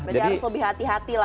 jadi harus lebih hati hati lah ya